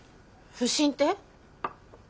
不審って？